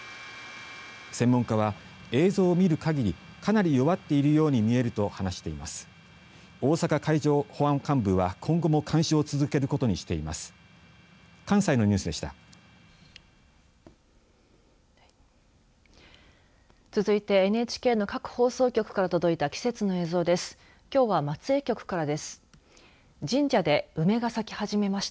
専門家は、映像を見るかぎりかなり弱っているように見えると話しています。